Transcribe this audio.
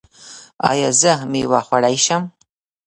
ایا زه میوه خوړلی شم؟